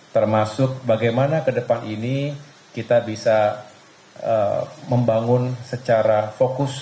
termasuk bagaimana ke depan ini kita bisa membangun secara fokus